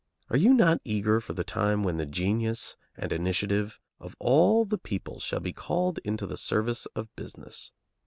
Are you not eager for the time when the genius and initiative of all the people shall be called into the service of business?